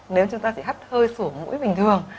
nếu chúng ta bị hắt hơi sổ mũi bình thường